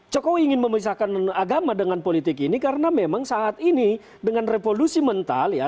jokowi ingin memisahkan agama dengan politik ini karena memang saat ini dengan revolusi mental ya